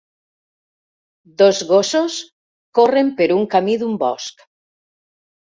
Dos gossos corren per un camí d'un bosc.